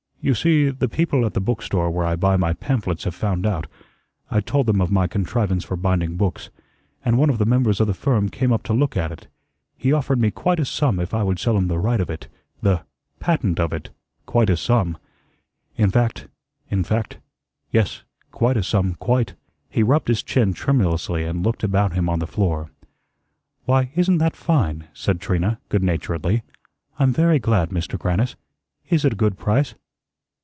"You see, the people at the book store where I buy my pamphlets have found out I told them of my contrivance for binding books, and one of the members of the firm came up to look at it. He offered me quite a sum if I would sell him the right of it the patent of it quite a sum. In fact in fact yes, quite a sum, quite." He rubbed his chin tremulously and looked about him on the floor. "Why, isn't that fine?" said Trina, good naturedly. "I'm very glad, Mister Grannis. Is it a good price?"